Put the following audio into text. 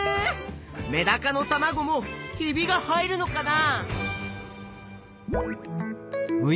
メダカのたまごもひびが入るのかな？